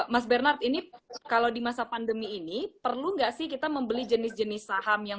mas bernard ini kalau di masa pandemi ini perlu nggak sih kita membeli jenis jenis saham yang